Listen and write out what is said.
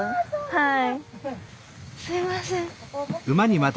はい。